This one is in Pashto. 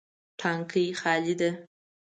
تانکی خالي ده